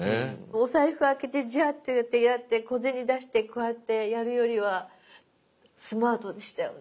お財布開けてジャーってやって小銭出してこうやってやるよりはスマートでしたよね。